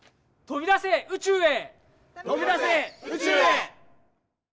とびだせ宇宙へ。